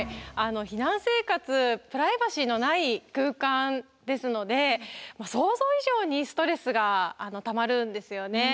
避難生活プライバシーのない空間ですので想像以上にストレスがたまるんですよね。